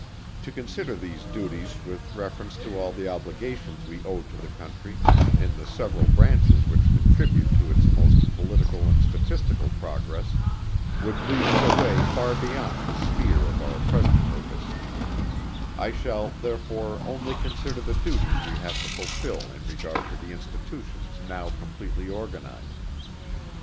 To consider these duties with reference to all the obligations we owe to the Country, in the several branches which contribute to its most political and statistical progress, would lead us away far beyond the sphere of our present purpose; I shall, therefore, only consider the duties we have to fulfil in regard to the Institutions now completely organized.